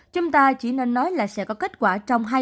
chúng ta chỉ nên nói là sẽ có kết quả trong hai tuần tới